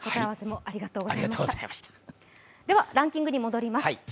ランキングに戻ります。